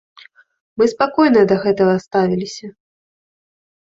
Мы спакойна да гэтага ставіліся.